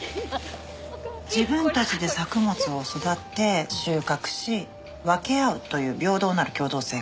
自分たちで作物を育て収穫し分け合うという平等なる共同生活。